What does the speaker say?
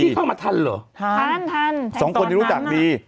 แองจี้เข้ามาทันเหรอทันทันทันแทนตอนทันมาสองคนที่รู้จักดี